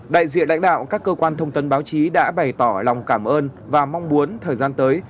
đại diện lãnh đạo các cơ quan thông tấn báo chí đã bày tỏ lòng cảm ơn và mong muốn thời gian tới